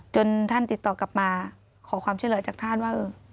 ท่านติดต่อกลับมาขอความช่วยเหลือจากท่านว่า